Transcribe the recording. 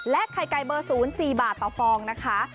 ไข่ไก่เบอร์๐๔บาทต่อฟองนะคะ